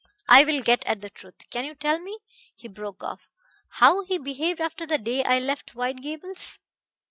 I will get at the truth. Can you tell me," he broke off, "how he behaved after the day I left White Gables?"